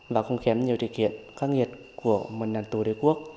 và không kém nhiều thể kiện các nghiệp của một nhà tù đế quốc